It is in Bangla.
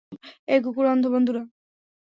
এই কুকুর অন্ধ, বন্ধুরা!